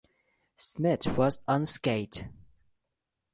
Smith was unscathed.